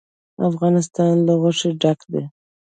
افغانستان له غوښې ډک دی.